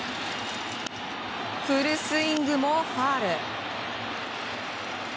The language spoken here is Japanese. フルスイングもファウル。